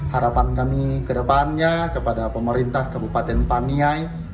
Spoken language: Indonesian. harapan kami kedepannya kepada pemerintah kabupaten paniai